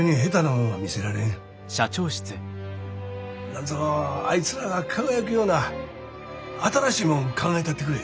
なんぞあいつらが輝くような新しいもん考えたってくれ。